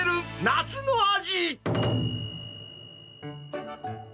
夏の味。